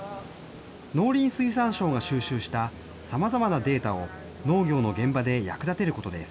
農林水産省が収集したさまざまなデータを、農業の現場で役立てることです。